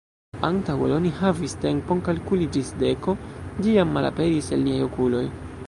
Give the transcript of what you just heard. Antaŭ ol oni havis tempon kalkuli ĝis deko, ĝi jam malaperis el niaj okuloj.